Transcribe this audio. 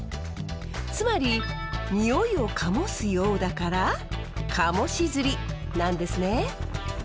つまりにおいをかもすようだから「『かもし』釣り」なんですね。